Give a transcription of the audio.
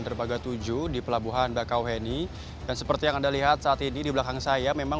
derbaga tujuh di pelabuhan bakauheni dan seperti yang anda lihat saat ini di belakang saya memang